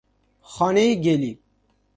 خانهی گلی